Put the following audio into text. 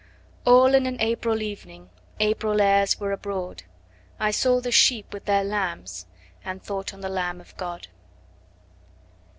20 All in the April evening, April airs were abroad; I saw the sheep with their lambs, And thought on the Lamb of God.